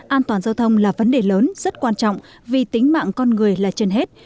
an toàn giao thông là vấn đề lớn rất quan trọng vì tính mạng con người là trên hết